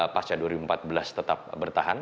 pasca dua ribu empat belas tetap bertahan